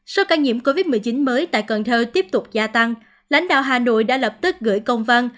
số ca nhiễm covid một mươi chín mới tại cần thơ tiếp tục gia tăng lãnh đạo hà nội đã lập tức gửi công văn